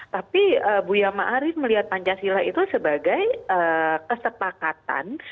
tapi bu yama arief melihat pancasila itu sebagai kesepakatan